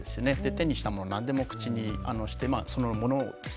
手にしたもの何でも口にしてそのものをですね学習する。